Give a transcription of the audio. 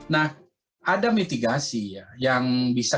nah ada mitigasi ya